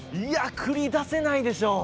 繰り出せないでしょう。